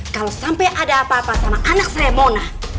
kalau sampai ada apa apa sama anak saya mona